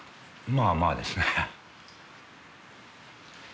まあまあですね。